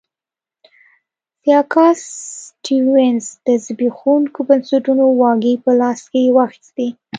سیاکا سټیونز د زبېښونکو بنسټونو واګې په لاس کې واخیستې.